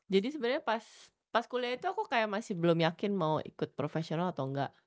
jadi sebenernya pas kuliah itu aku kayak masih belum yakin mau ikut profesional atau enggak